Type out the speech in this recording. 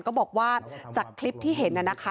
ก็บอกว่าจากคลิปที่เห็นน่ะนะคะ